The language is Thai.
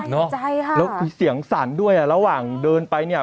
ตกใจค่ะแล้วคือเสียงสั่นด้วยอ่ะระหว่างเดินไปเนี่ย